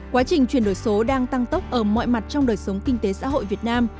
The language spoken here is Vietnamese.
quá trình chuyển đổi số đang tăng tốc ở mọi mặt trong đời sống kinh tế xã hội việt nam